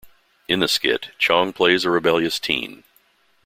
In the skit, Chong plays a rebellious teen.